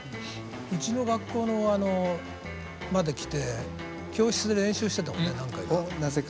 うちの学校のあのまで来て教室で練習してたもんね何回か。